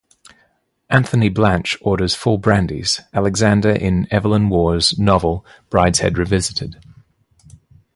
Anthony Blanche orders four brandies Alexander in Evelyn Waugh's novel Brideshead Revisited.